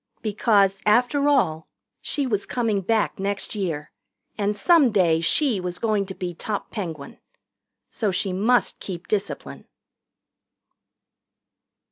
Because, after all, she was coming back next year, and some day she was going to be top Penguin. So she must keep discipline.